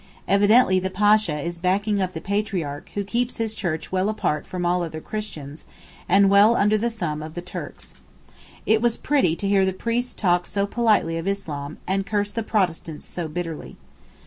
Evidently the Pasha is backing up the Patriarch who keeps his church well apart from all other Christians, and well under the thumb of the Turks. It was pretty to hear the priests talk so politely of Islam, and curse the Protestants so bitterly.